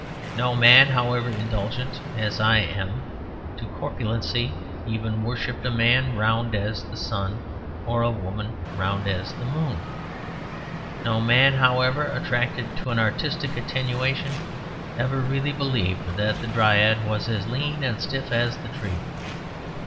No man, however indulgent (as I am) to corpulency, ever worshipped a man as round as the sun or a woman as round as the moon. No man, however attracted to an artistic attenuation, ever really believed that the Dryad was as lean and stiff as the tree.